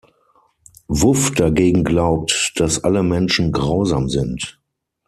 Wuff dagegen glaubt, dass alle Menschen grausam sind.